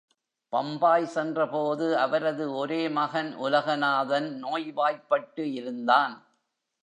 பம்பாய் சென்றபோது, அவரது ஒரே மகன் உலகநாதன் நோய்வாய்பட்டு இருந்தான்.